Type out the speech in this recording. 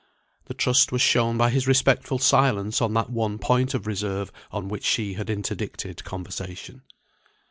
The trust was shown by his respectful silence on that one point of reserve on which she had interdicted conversation.